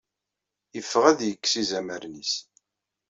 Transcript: Yeffeɣ ad yeks izamaren-is.